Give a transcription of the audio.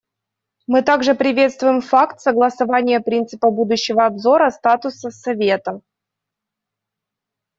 Мы также приветствуем факт согласования принципа будущего обзора статуса Совета.